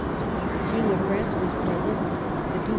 The King of France was present. The Duke